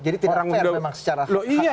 jadi tidak fair memang secara hak asasi menurut anda